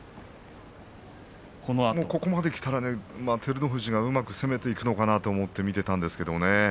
ここまできたら照ノ富士がうまく攻めていくのかなと思って見ていたんですが。